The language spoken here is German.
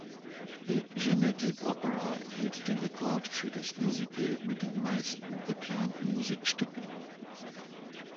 The Genetic Opera“ hält den Rekord für das Musical mit den meisten geplanten Musikstücken.